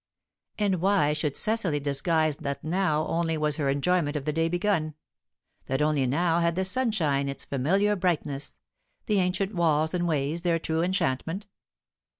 And why should Cecily disguise that now only was her enjoyment of the day begun that only now had the sunshine its familiar brightness, the ancient walls and ways their true enchantment?